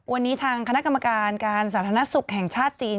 วันนี้ทางคณะกรรมการการสาธารณสุขแห่งชาติจีน